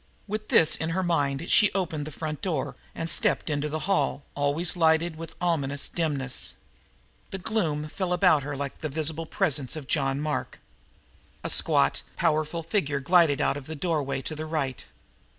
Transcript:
With this in her mind she opened the front door and stepped into the hall, always lighted with ominous dimness. That gloom fell about her like the visible presence of John Mark. A squat, powerful figure glided out of the doorway to the right.